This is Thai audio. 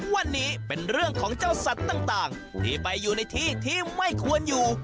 วันนี้เป็นเรื่องของเจ้าสัตว์ต่างที่ไปอยู่ในที่ที่ไม่ควรอยู่